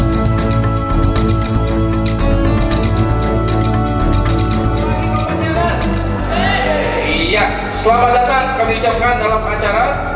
iya selamat datang kami ucapkan dalam acara